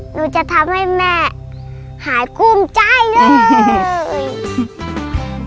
หนูจะทำให้แม่หายคุ้มใจเลย